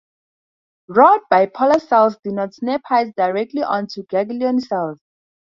Rod bipolar cells do not synapse directly on to ganglion cells.